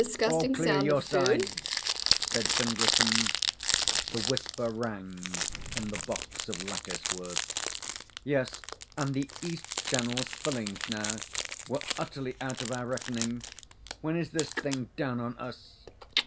"'All clear your side?" said Findlayson. The whisper rang in the box of lattice work. "Yes, and the east channel's filling now. We're utterly out of our reckoning. When is this thing down on us?"